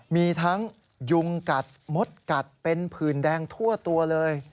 มีทั้งยุงกัดมดกัดเป็นผื่นแดงทั่วตัวเลย